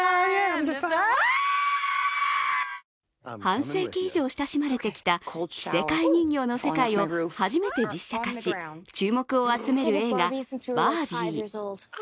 半世紀以上親しまれてきた着せ替え人形の世界を初めて実写化し注目を集める映画「バービー」。